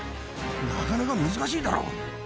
なかなか難しいだろ。